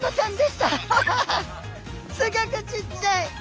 すギョくちっちゃい！